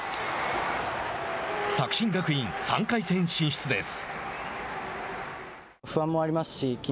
作新学院、３回戦進出です。